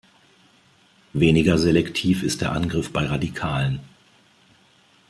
Weniger selektiv ist der Angriff bei Radikalen.